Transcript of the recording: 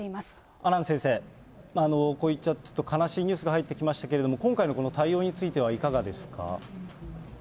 阿南先生、こういったちょっと悲しいニュースが入ってきましたけれども、今回のこの対応についてはいかがですか。